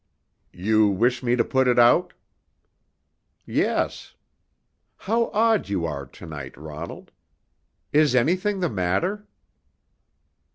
"You wish me to put it out?" "Yes. How odd you are to night, Ronald! Is anything the matter?"